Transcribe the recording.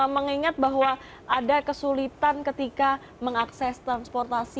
mengingat bahwa ada kesulitan ketika mengakses transportasi